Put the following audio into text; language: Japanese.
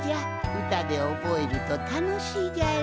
うたでおぼえるとたのしいじゃろ？